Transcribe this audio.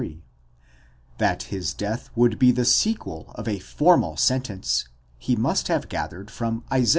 33); that his death would be the sequel of a formal sentence, he must have gathered from Isa.